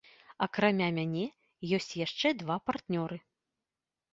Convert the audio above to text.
Акрамя мяне, ёсць яшчэ два партнёры.